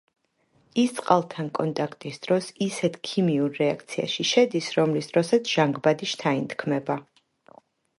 ის წყალთან კონტაქტის დროს ისეთ ქიმიურ რეაქციაში შედის, რომლის დროსაც ჟანგბადი შთაინთქმება.